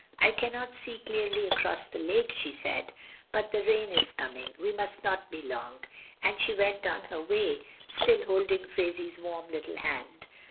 "I cannot see clearly across the lake," she said; "but the rain is coming, we must not be long," and she went on her way, still holding Phraisie's warm little hand.